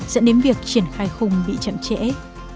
dẫn đến việc triển khai khung bị chậm trễ